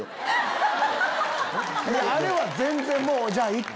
あれは全然もういいか！